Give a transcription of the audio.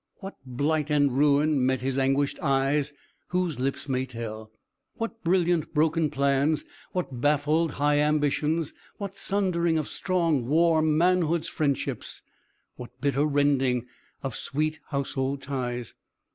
What blight and ruin met his anguished eyes, whose lips may tell what brilliant, broken plans, what baffled, high ambitions, what sundering of strong, warm, manhood's friendships, what bitter rending of sweet household ties!